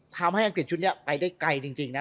อังกฤษชุดนี้ไปได้ไกลจริงนะ